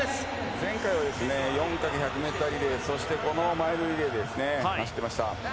前回は４×４００ｍリレーそしてこのマイルリレーで走っていました。